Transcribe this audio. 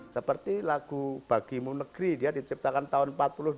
seperti lagu bagimu negeri dia diciptakan tahun seribu sembilan ratus dua puluh